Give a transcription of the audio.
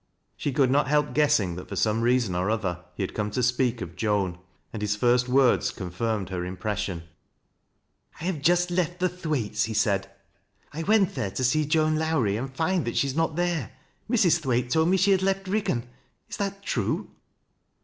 She could not help guessing Hiat foi some reason or other he had come to speak of Joan, and his first words confirmed her impression. " 1 have just left the Thwaites'," he said. " I went there to see Joan Lowrie, and find that she is not there. Mj s, Thwaite told me that she had left Riggan. Ie that true?